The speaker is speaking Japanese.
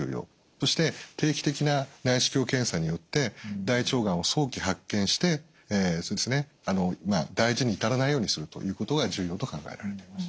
そして定期的な内視鏡検査によって大腸がんを早期発見して大事に至らないようにするということが重要と考えられています。